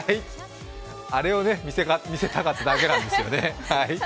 あれを見せたかっただけなんですよね。